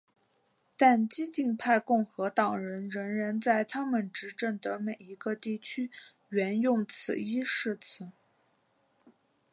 但激进派共和党人仍然在他们执政的每一个地区援用此一誓词。